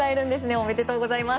おめでとうございます。